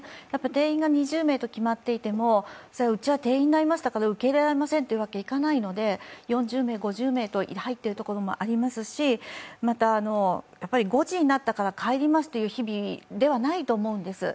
定員が２０名と決まっていても、うちは定員になりましたから受け入れられませんというわけにはいかないので、４０名、５０名と入っているところもありますし、また、５時になったから帰りますという日々ではないと思うんです。